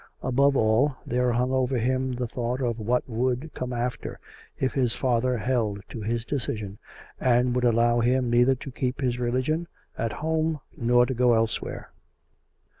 Above all, there hung over him the thought of what would come after, if his father held to his decision and would allow him neither to keep his religion at home nor go elsewhere. 86 COME RACK! COME ROPE!